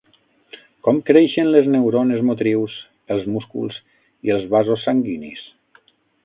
Com creixen les neurones motrius, els músculs i els vasos sanguinis?